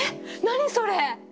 何それ！？